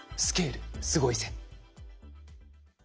「スケールすごいぜ」。